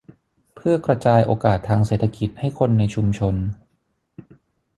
เพื่อกระจายโอกาสทางเศรษฐกิจให้คนในชุมชน